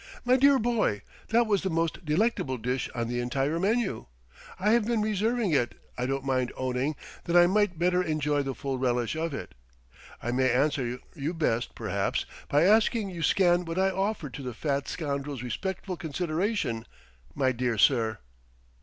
"My dear boy, that was the most delectable dish on the entire menu. I have been reserving it, I don't mind owning, that I might better enjoy the full relish of it.... I may answer you best, perhaps, by asking you to scan what I offered to the fat scoundrel's respectful consideration, my dear sir."